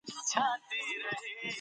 له ناروغ سره ژوند امکان لري.